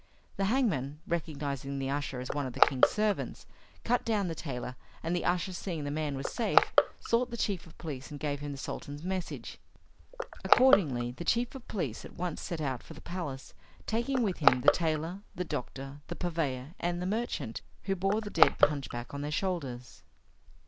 The hangman, recognising the usher as one of the king's servants, cut down the tailor, and the usher, seeing the man was safe, sought the chief of police and gave him the Sultan's message. Accordingly, the chief of police at once set out for the palace, taking with him the tailor, the doctor, the purveyor, and the merchant, who bore the dead hunchback on their shoulders.